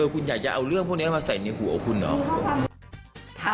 คุณอยากจะเอาเรื่องพวกนี้มาใส่ในหัวคุณเหรอ